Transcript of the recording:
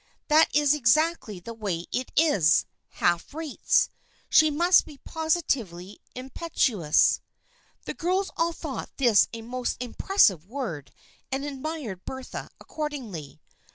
That is exactly the way it is — half rates ! She must be positively impecunious." (The girls all thought this a most impressive word and admired Bertha accordingly.)